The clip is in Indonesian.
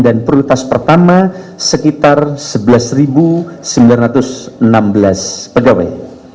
dan prioritas pertama sekitar sebelas sembilan ratus enam belas pegawai